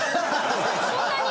そんなに？